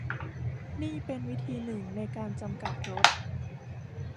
นี่เป็นวิธีหนึ่งในการกำจัดรถ